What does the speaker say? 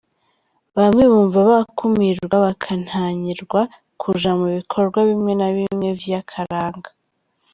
Bamwe bumva bakumirwa bakanankirwa kuja mu bikorwa bimwe bimwe vy'akaranga.